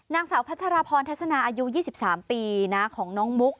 นางสาวพัทรพรทัศนาอายุ๒๓ปีของน้องมุก